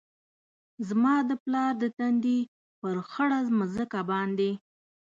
زما د پلار د تندي ، پر خړه مځکه باندي